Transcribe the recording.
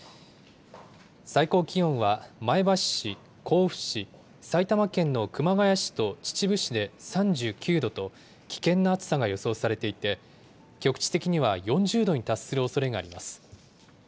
最高気温は前橋市、甲府市、埼玉県の熊谷市と秩父市で３９度と、危険な暑さが予想されていて、局地的には４０度に達するおそれがあります。